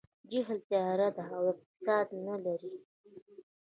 جهل تیاره ده او اقتصاد نه لري.